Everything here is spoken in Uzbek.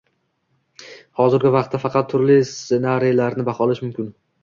Hozirgi vaqtda faqat turli ssenariylarni baholash mumkin